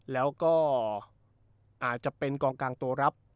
แล้วก็อาจจะเป็นกองกลางตัวรับ